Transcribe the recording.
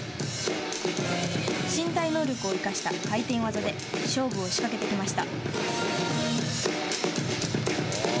身体能力を生かした回転技で勝負を仕掛けてきました。